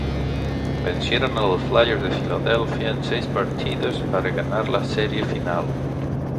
Vencieron a los Flyers de Filadelfia en seis partidos para ganar la serie final.